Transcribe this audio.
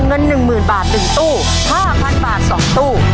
เงิน๑๐๐๐บาท๑ตู้๕๐๐บาท๒ตู้